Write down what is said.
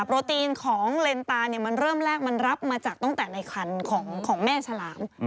โปรตีนของเลนตาเนี่ยมันเริ่มแรกมันรับมาจากในคันของแม่ฉลาม